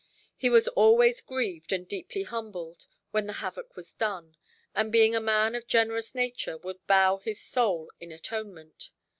He was always grieved and deeply humbled, when the havoc was done; and, being a man of generous nature, would bow his soul in atonement.